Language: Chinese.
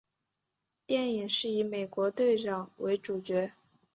电影是以美国队长为主角。